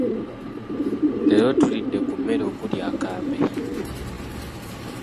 Leero tulidde ku mmere okuli akambe.